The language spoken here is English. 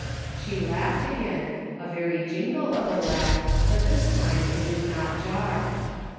She laughed again, a very jingle of a laugh, but this time it did not jar.